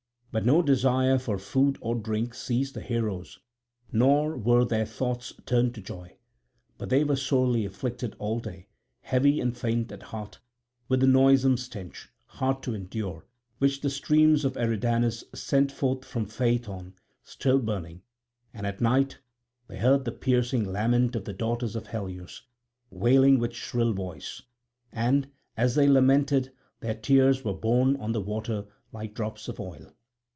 But no desire for food or drink seized the heroes nor were their thoughts turned to joy. But they were sorely afflicted all day, heavy and faint at heart, with the noisome stench, hard to endure, which the streams of Eridanus sent forth from Phaethon still burning; and at night they heard the piercing lament of the daughters of Helios, wailing with shrill voice; and, as they lamented, their tears were borne on the water like drops of oil.